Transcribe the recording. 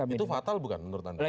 itu fatal bukan menurut anda